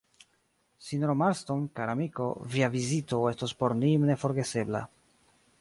Sinjoro Marston, kara amiko, via vizito estos por ni neforgesebla.